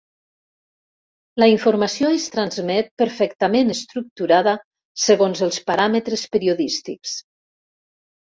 La informació es transmet perfectament estructurada segons els paràmetres periodístics.